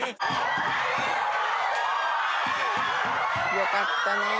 よかったねえ。